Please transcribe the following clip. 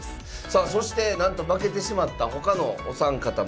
さあそしてなんと負けてしまったほかのお三方もですね